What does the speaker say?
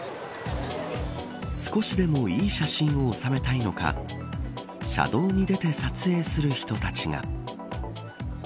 少しでもいい写真を収めたいのか車道に出て撮影する人たちが。